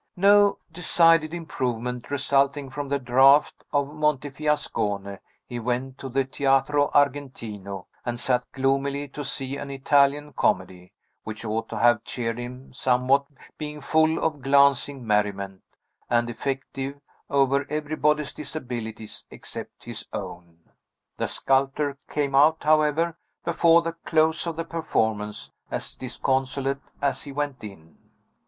No decided improvement resulting from the draught of Montefiascone, he went to the Teatro Argentino, and sat gloomily to see an Italian comedy, which ought to have cheered him somewhat, being full of glancing merriment, and effective over everybody's disabilities except his own. The sculptor came out, however, before the close of the performance, as disconsolate as he went in.